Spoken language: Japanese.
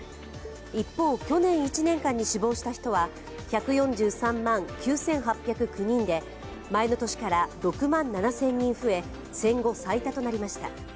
一方、去年１年間に死亡した人は１４３万９８０９人で前の年から６万７０００人増え戦後最多となりました。